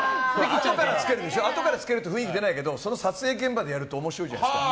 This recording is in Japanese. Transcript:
あとから付けると雰囲気出ないけど撮影現場でやると面白いじゃないですか。